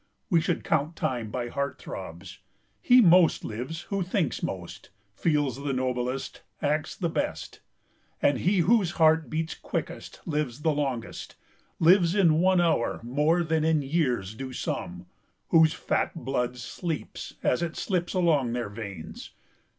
We should count time by heart throbs. He most lives Who thinks most, feels the noblest, acts the best. And he whose heart beats quickest lives the longest: Lives in one hour more than in years do some Whose fat blood sleeps as it slips along their veins.